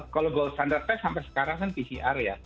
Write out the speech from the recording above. kalau gold standard test sampai sekarang kan pcr ya